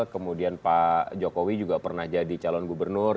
kemudian pak jokowi juga pernah jadi calon gubernur